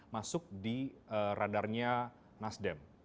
masuk di radarnya nasdem